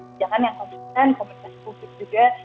kebijakan yang konsisten kompetensi covid sembilan belas juga